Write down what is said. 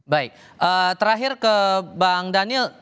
baik terakhir ke bang daniel